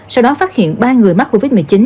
sau đó phát hiện ba người mắc covid một mươi chín